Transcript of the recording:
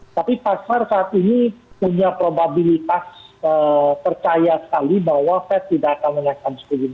tapi pasar saat ini punya probabilitas percaya sekali bahwa fed tidak akan menaikkan suku bunga